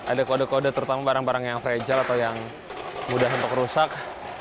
ada kode kode terutama barang barang yang fragile atau yang mudah untuk rusak